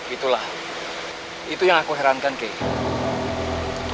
itulah itu yang aku herankan key